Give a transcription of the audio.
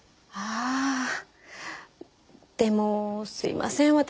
ああでもすみません。